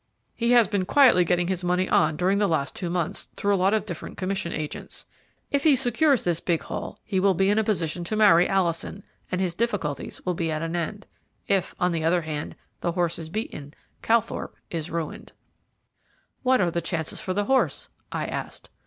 He has been quietly getting his money on during the last two months through a lot of different commission agents. If he secures this big haul he will be in a position to marry Alison, and his difficulties will be at an end. If, on the other hand, the horse is beaten, Calthorpe is ruined." "What are the chances for the horse?" I asked.